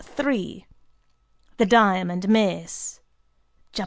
—The Diamond Mace (Jap.